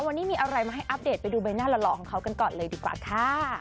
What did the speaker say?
วันนี้มีอะไรมาให้อัปเดตไปดูใบหน้าหล่อของเขากันก่อนเลยดีกว่าค่ะ